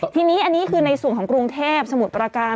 ทีนี้อันนี้คือในส่วนของกรุงเทพสมุทรประการ